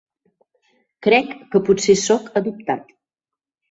Crec que potser soc adoptat.